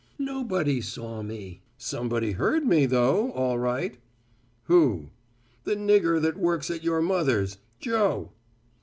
"Nobody saw me. Somebody heard me though, all right." "Who?" "The nigger that works at your mother's Joe."